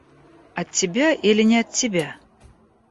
От тебя или не от тебя?